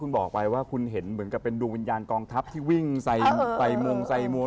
คุณบอกไปว่าคุณเห็นเหมือนกับเป็นดวงวิญญาณกองทัพที่วิ่งใส่มงใส่มัว